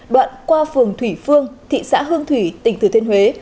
đoạn qua phường thủy phương thị xã hương thủy tỉnh thừa thiên huế